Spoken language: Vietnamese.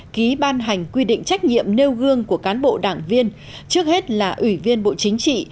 ký ban hành quy định trách nhiệm nêu gương của cán bộ đảng viên trước hết là ủy viên bộ chính trị